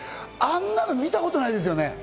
あんなの見たことないですよね。